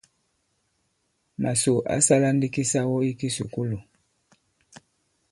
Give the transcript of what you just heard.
Màsò ǎ sālā ndī kisawo ī kisùkulù.